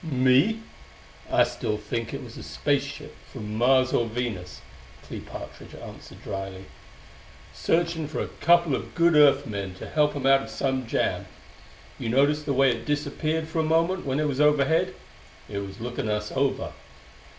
"Me I still think it was a space ship from Mars or Venus," Clee Partridge answered drily; "searching for a couple of good Earth men to help 'em out of some jam. You noticed the way it disappeared for a moment when it was overhead: it was looking us over."